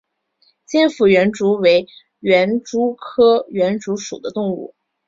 尖腹园蛛为园蛛科园蛛属的动物。